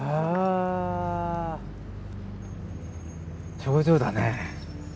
頂上だね。